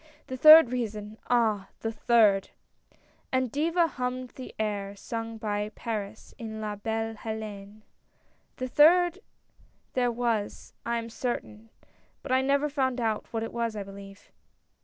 The third reason, ah ! the third !" and Diva hummed the air sung by Paris, in La Belle II4Une, " A third there was, I am certain, but I never found out what it was, I believe.